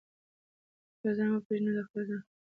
خپل ځان وپېژنئ نو د خپل ځان خیال ساتنه هم زده کولای شئ.